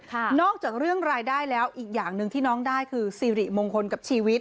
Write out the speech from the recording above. นอกจากเรื่องรายได้แล้วอีกอย่างหนึ่งที่น้องได้คือสิริมงคลกับชีวิต